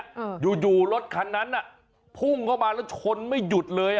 อยู่รถคันนั้นพุ่งเขามาแล้วชนไม่หยุดเลย